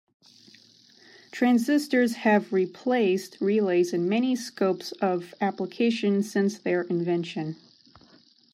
Transistors have replaced relays in many scopes of application since their invention.